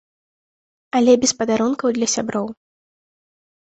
Але без падарункаў для сяброў.